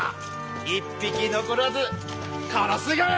一匹残らず殺すがや！